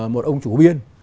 một ông chủ biên